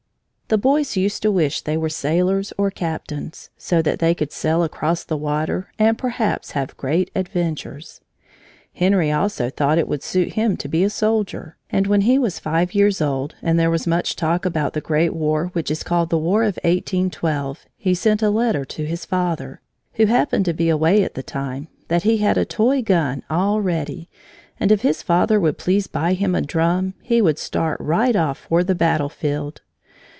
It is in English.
The boys used to wish they were sailors or captains, so that they could sail across the water and perhaps have great adventures. Henry also thought it would suit him to be a soldier, and when he was five years old, and there was much talk about the great war which is called the War of 1812, he sent a letter to his father, who happened to be away at the time, that he had a toy gun already, and if his father would please buy him a drum, he would start right off for the battle field.